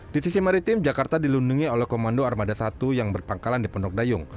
di sisi maritim jakarta dilundungi oleh komando armada i yang berpangkalan di penduk dayung